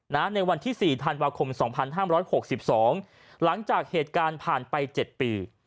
ในวันที่๔ธันวาคม๒๕๖๒หลังจากเหตุการณ์ผ่านไป๗ปี